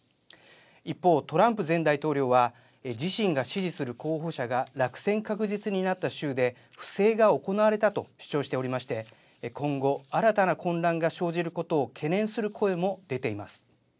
一方、トランプ前大統領は自身が支持する候補者が落選確実になった州で不正が行われたと主張しておりまして今後、新たな混乱が生じることを懸念する声も出ています。